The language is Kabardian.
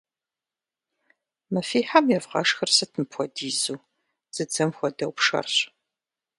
Мы фи хьэм евгъэшхыр сыт мыпхуэдизу? Дзыдзэм хуэдэу пшэрщ.